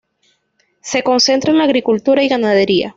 Se concentra en la agricultura y ganadería.